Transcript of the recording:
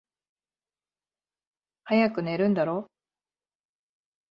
早く寝るんだろ？